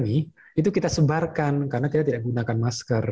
itu kita sebarkan karena tidak menggunakan masker